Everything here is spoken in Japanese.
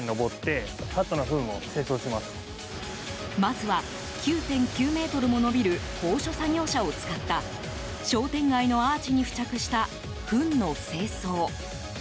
まずは、９．９ｍも伸びる高所作業車を使った商店街のアーチに付着したフンの清掃。